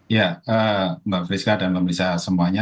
ya mbak priska dan pemeriksaan semuanya